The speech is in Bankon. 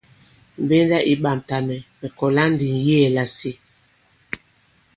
Mbenda ì ɓamta mɛ̀, mɛ̀ kɔ̀la ndi ŋ̀yeē lasi.